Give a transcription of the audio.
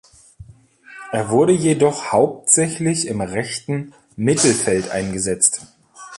Er wurde jedoch hauptsächlich im rechten Mittelfeld eingesetzt.